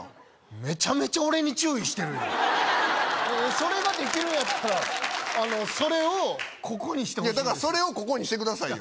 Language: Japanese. メチャメチャ俺に注意してるやんそれができるんやったらそれをここにしてほしいんですだからそれをここにしてくださいよ